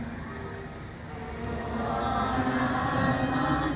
เมื่อเวลาเมื่อเวลามันกลายเป้าหมายเป้าหมายเป็นเวลาที่สุดท้าย